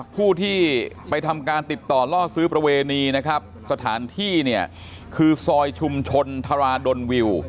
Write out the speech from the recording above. ผู้ที่ไปทำการติดต่อล่อซื้อประเวณีนะครับสถานที่เนี่ยคือซอยชุมชนทราดลวิว